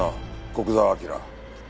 古久沢明。